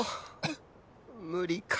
無理か